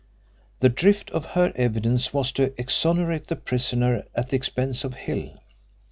The drift of her evidence was to exonerate the prisoner at the expense of Hill.